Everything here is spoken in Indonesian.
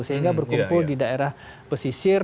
sehingga berkumpul di daerah pesisir